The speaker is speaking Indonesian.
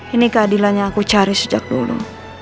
ini keadilannya aku cari sejak dulu